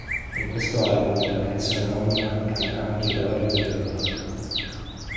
In questo album, nella canzone omonima, canta anche Edoardo Bennato.